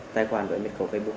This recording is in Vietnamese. tài khoản với mật khẩu facebook